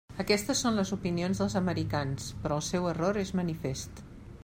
Aquestes són les opinions dels americans; però el seu error és manifest.